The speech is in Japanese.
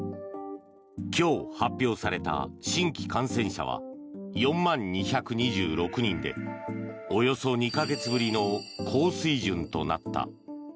今日、発表された新規感染者は４万２２６人でおよそ２か月ぶりの高水準となった。